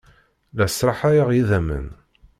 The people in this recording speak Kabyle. La sraḥayeɣ idammen.